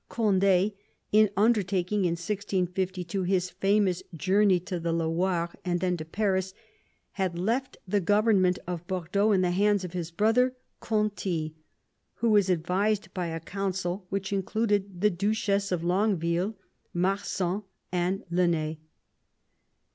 Cond^, in undertaking in 1652 his famous journey to the Loire and then to Paris, had left the government of Bordeaux in the hands of his brother Conti, who was advised by a council which included the Duchess of Longueville, Marsin, and Lenet.